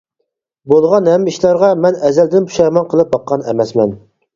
بولغان ھەممە ئىشلارغا مەن ئەزەلدىن پۇشايمان قىلىپ باققان ئەمەسمەن.